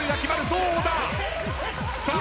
どうだ？さあ。